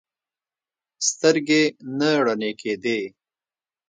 سترګې نه رڼې کېدې.